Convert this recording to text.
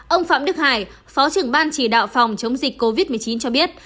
ông phạm đức hải phó trưởng ban chỉ đạo phòng chống dịch covid một mươi chín cho biết